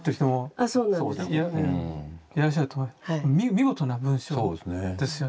見事な文章ですよね。